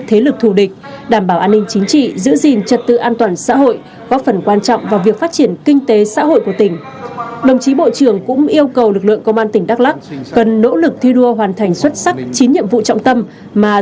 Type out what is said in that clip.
thủ tướng phạm minh chính cũng chỉ đạo chín nhiệm vụ trọng tâm mà lực lượng công an nhân dân và công an tỉnh đắk lắc cần nỗ lực hơn nữa để thực hiện hiệu quả trong thời gian tới